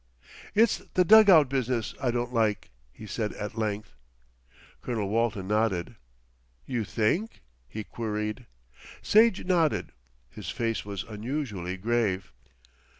"It's the dug out business, I don't like," he said at length. Colonel Walton nodded. "You think?" he queried. Sage nodded, his face was unusually grave.